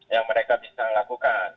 yang mereka bisa lakukan